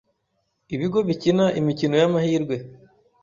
ibigo bikina imikino y’amhirwe